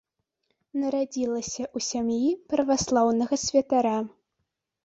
Нарадзілася ў сям'і праваслаўнага святара.